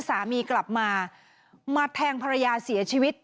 สามีกลับมามาแทงภรรยาเสียชีวิต